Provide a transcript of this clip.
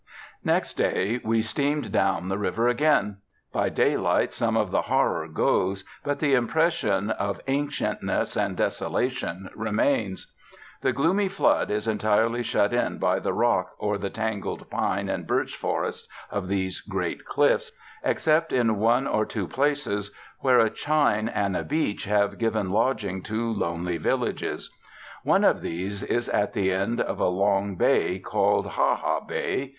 Next day we steamed down the river again. By daylight some of the horror goes, but the impression of ancientness and desolation remains. The gloomy flood is entirely shut in by the rock or the tangled pine and birch forests of these great cliffs, except in one or two places, where a chine and a beach have given lodging to lonely villages. One of these is at the end of a long bay, called Ha Ha Bay.